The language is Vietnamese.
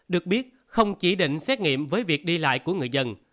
được biết không chỉ định xét nghiệm với việc đi lại của người dân